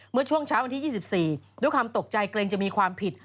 เมื่อช่วงเช้าวันที่๒๔ด้วยความตกใจเกรงจะมีความผิด